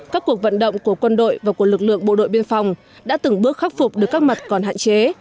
các cuộc vận động của quân đội và của lực lượng bộ đội biên phòng đã từng bước khắc phục được các mặt còn hạn chế